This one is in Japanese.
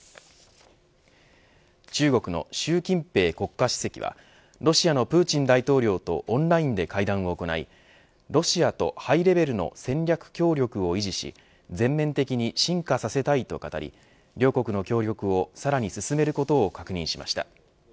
中国の習近平国家主席はロシアのプーチン大統領とオンラインで会談を行いロシアとハイレベルの戦略協力を維持し全面的に進化させたいと語り両国の協力をさらに進めることを確認しました。